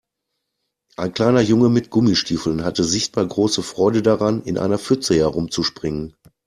Ein kleiner Junge mit Gummistiefeln hatte sichtbar große Freude daran, in einer Pfütze herumzuspringen.